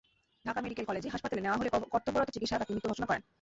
Dhaka medical college হাসপাতালে নেওয়া হলে কর্তব্যরত চিকিৎসক তাঁকে মৃত ঘোষণা করেন।